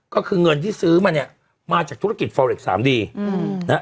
ก็คือเงินที่ซื้อมาเนี่ยมาจากธุรกิจฟอเล็กสามดีอืมนะฮะ